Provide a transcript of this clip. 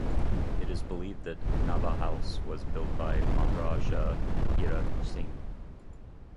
It is believed that Nabha House was built by Maharaja Hira Singh.